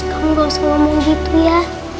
kamu gak usah ngomong gitu ya